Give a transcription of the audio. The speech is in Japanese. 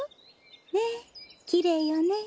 ねえきれいよね。